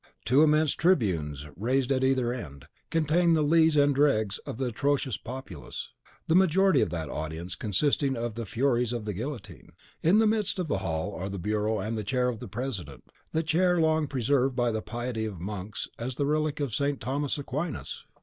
Two immense tribunes, raised at either end, contain the lees and dregs of the atrocious populace, the majority of that audience consisting of the furies of the guillotine (furies de guillotine). In the midst of the hall are the bureau and chair of the president, the chair long preserved by the piety of the monks as the relic of St. Thomas Aquinas!